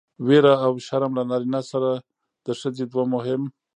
ويره او شرم له نارينه سره د ښځې دوه مهم